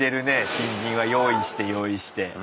新人は用意して用意して。